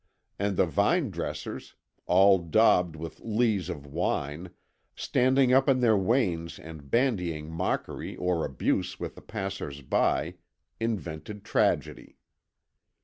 And the vine dressers, all daubed with lees of wine, standing up in their wains and bandying mockery or abuse with the passers by, invented Tragedy.